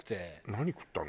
何食ったの？